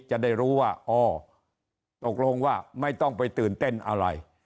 จะได้รู้ว่าอ๋อตกลงว่าไม่ต้องไปตื่นเต้นอะไร